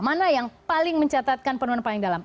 mana yang paling mencatatkan penurunan paling dalam